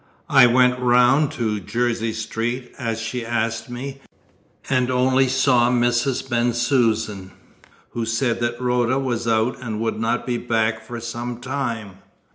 "I went round to Jersey Street, as she asked me, and only saw Mrs. Bensusan, who said that Rhoda was out and would not be back for some time.